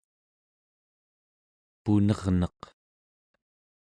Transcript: punerneq